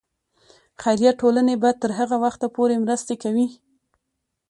خیریه ټولنې به تر هغه وخته پورې مرستې کوي.